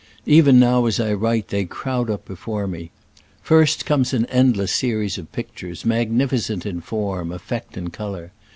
Even now as I write they crowd up before me. First comes an endless series of pictures, magnificent in form, effect and color.